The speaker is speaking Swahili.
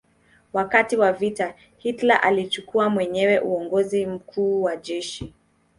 Wakati wa vita Hitler alichukua mwenyewe uongozi mkuu wa jeshi.